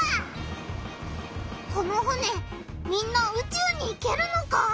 この船みんなうちゅうに行けるのか？